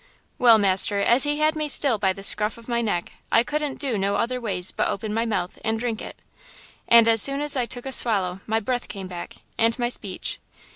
"Well, master, as he had me still by the scruff o' my neck I couldn't do no other ways but open my mouth and drink it. And as soon as I took a swallow my breath came back and my speech.